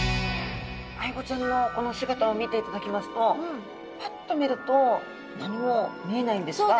アイゴちゃんのこの姿を見ていただきますとパッと見ると何も見えないんですが。